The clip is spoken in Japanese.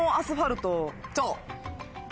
そう！